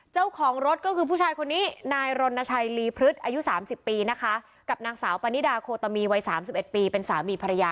เจ้าของรถก็คือผู้ชายคนนี้นายรณชัยลีพฤษอายุ๓๐ปีนะคะกับนางสาวปานิดาโคตามีวัย๓๑ปีเป็นสามีภรรยา